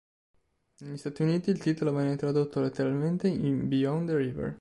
Negli Stati Uniti, il titolo venne tradotto letteralmente in "Beyond the River"